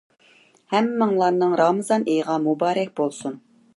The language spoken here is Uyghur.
ھەممىڭلارنىڭ رامىزان ئېيىغا مۇبارەك بولسۇن.